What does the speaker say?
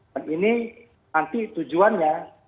dan ini nanti tujuannya